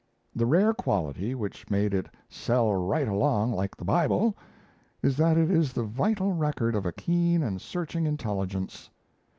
The rare quality, which made it "sell right along like the Bible," is that it is the vital record of a keen and searching intelligence.